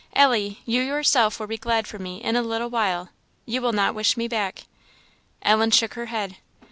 Ellie, you yourself will be glad for me in a little while; you will not wish me back." Ellen shook her head.